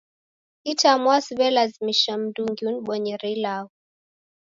Itamwaa siwe'lazimisha mndungi uniboyere ilagho